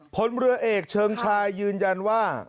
พลเรือเอกเชิงชายยืนยันว่า